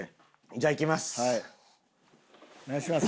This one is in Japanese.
じゃあいきます。